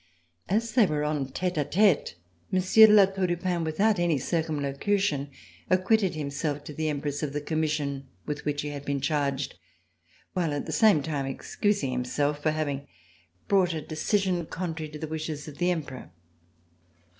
As they were en fete a tete, Monsieur de La Tour du Pin without any circumlocution acquitted himself to the Empress of the commission with which he had been charged, while at the same time excusing him self for having brought a decision contrary to the wishes of the Emperor.